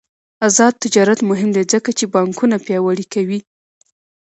آزاد تجارت مهم دی ځکه چې بانکونه پیاوړي کوي.